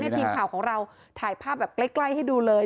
ทีมข่าวของเราถ่ายภาพแบบใกล้ให้ดูเลย